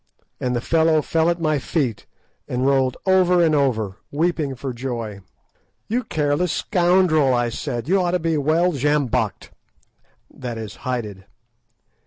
And the fellow fell at my feet, and rolled over and over, weeping for joy. "You careless scoundrel!" I said; "you ought to be well sjambocked"—that is, hided.